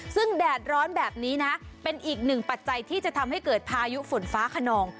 ซึ่งแดดร้อนแบบนี้นะเป็นอีกหนึ่งปัจจัยที่จะทำให้เกิดพายุฝนฟ้าขนอง